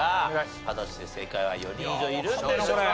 果たして正解は４人以上いるんでしょうか？